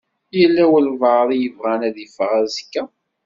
Yella walebɛaḍ i yebɣan ad iffeɣ azekka?